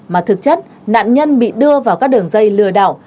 mà thực chất nạn nhân bị đưa vào các đường dây lừa đảo